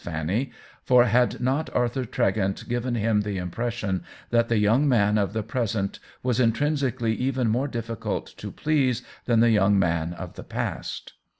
Fanny, for had not Arthur T^e gent given him the impression that the young man of the present was intrinsically even more difficult to please than the young man of the past